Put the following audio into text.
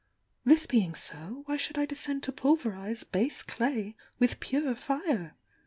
This being so, why should I descend to pul verise base clay with pure fire?